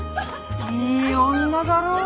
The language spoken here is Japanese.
いい女だろう？